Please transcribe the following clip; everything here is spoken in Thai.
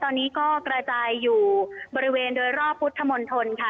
ตอนนี้ก็กระจายอยู่บริเวณโดยรอบพุทธมณฑลค่ะ